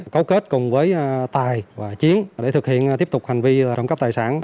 cấu kết cùng với tài và chiến để thực hiện tiếp tục hành vi trộm cắp tài sản